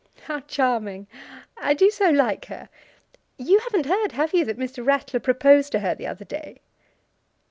"How charming! I do so like her. You haven't heard, have you, that Mr. Ratler proposed to her the other day?"